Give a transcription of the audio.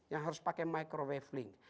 yang harus pakai microwave link